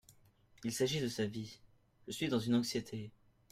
Il s’agit de sa vie… je suis dans une anxiété…